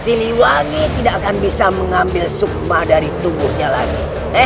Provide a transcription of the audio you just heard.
siliwangi tidak akan bisa mengambil sukma dari tubuhnya lagi